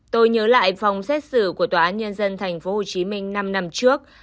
tôi nhớ lại phòng xét xử của tòa án nhân dân tp hcm năm năm trước